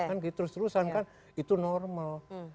kan terus terusan kan itu normal